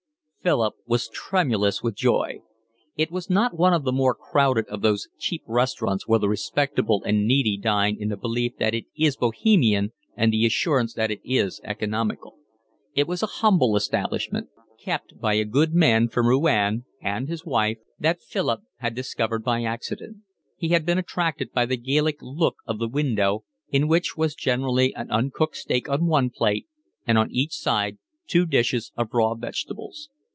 Philip was tremulous with joy. It was not one of the more crowded of those cheap restaurants where the respectable and needy dine in the belief that it is bohemian and the assurance that it is economical. It was a humble establishment, kept by a good man from Rouen and his wife, that Philip had discovered by accident. He had been attracted by the Gallic look of the window, in which was generally an uncooked steak on one plate and on each side two dishes of raw vegetables.